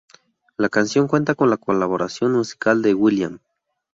La canción cuenta con la colaboración musical de will.i.am.